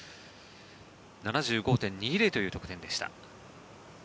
７５．２０という得点でした。